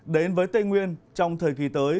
đến với tây nguyên trong thời kỳ tới